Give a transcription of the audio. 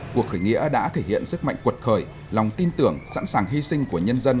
cuộc khởi nghĩa đã thể hiện sức mạnh cuột khởi lòng tin tưởng sẵn sàng hy sinh của nhân dân